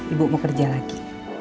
ibu mau kerja lagi